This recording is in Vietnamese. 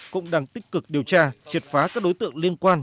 cũng đang tích cực điều tra triệt phá các đối tượng liên quan